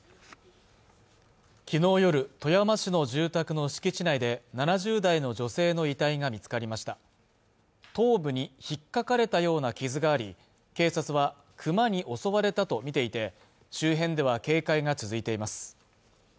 昨日夜、富山市の住宅の敷地内で７０代の女性の遺体が見つかりました頭部にひっかかれたような傷があり警察はクマに襲われたと見ていて周辺では警戒が続いています